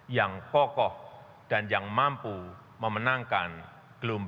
yang kokoh dan yang mampu memenangkan gelombang